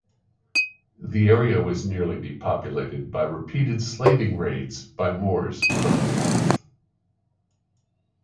The area was nearly depopulated by repeated slaving raids by Moors from the north.